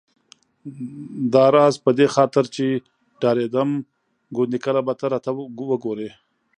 داراز په دې خاطر چې ډارېدم ګوندې کله به ته راته وګورې.